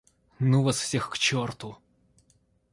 — Ну вас всех к черту!